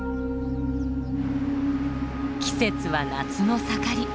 季節は夏の盛り。